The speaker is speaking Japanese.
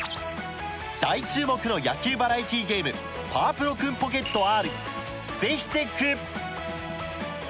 大注目の野球バラエティーゲーム『パワプロクンポケットＲ』